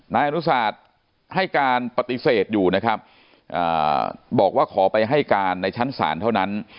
นายอนุสาตให้การปฏิเสธอยู่นะครับบอกว่าขอไปให้การในชั้นศาลเท่านั้น